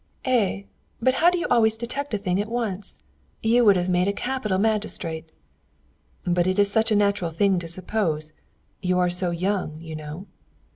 "Eh, but how you do always detect a thing at once! You would have made a capital magistrate." "But it is such a natural thing to suppose. You are so young, you know."